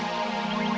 kamu dikasih gue